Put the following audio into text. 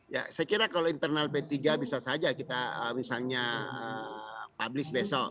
ya saya kira kalau internal p tiga bisa saja kita misalnya publis besok